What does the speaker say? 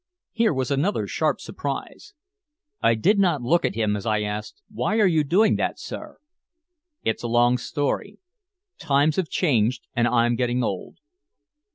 Here was another sharp surprise. I did not look at him as I asked: "Why are you doing that, sir?" "It's a long story. Times have changed and I'm getting old."